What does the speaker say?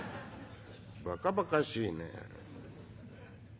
「ばかばかしいね」。